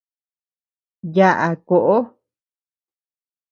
Yaʼa koʼo.